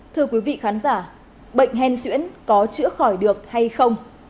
thưa quý vị khán giả bệnh hen xuyễn có chữa khỏi được hay không